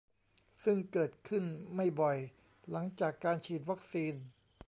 ซึ่งเกิดขึ้นไม่บ่อยหลังจากการฉีดวัคซีน